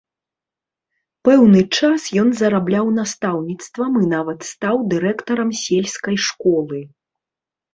Пэўны час ён зарабляў настаўніцтвам і нават стаў дырэктарам сельскай школы.